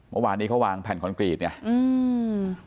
เมื่อวานนี้เขาวางแผ่นคอนกรีตไงอืม